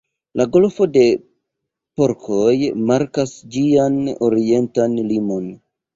La Golfo de Porkoj markas ĝian orientan limon.